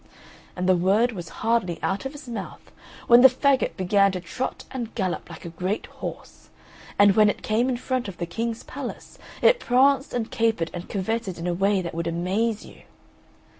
And the word was hardly out of his mouth when the faggot began to trot and gallop like a great horse, and when it came in front of the King's palace it pranced and capered and curvetted in a way that would amaze you.